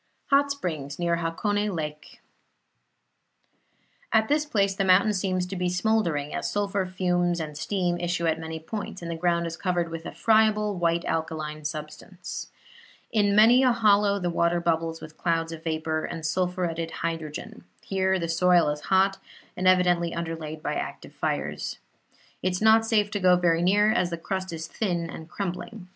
HOT SPRINGS NEAR HAKONE LAKE At this place the mountain seems to be smouldering, as sulphur fumes and steam issue at many points, and the ground is covered with a friable white alkaline substance. In many a hollow the water bubbles with clouds of vapor and sulphuretted hydrogen; here the soil is hot and evidently underlaid by active fires. It is not safe to go very near, as the crust is thin and crumbling.